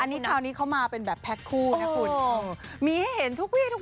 อันนี้คราวนี้เขามาเป็นแบบแพ็คคู่นะคุณมีให้เห็นทุกวีทุกวัน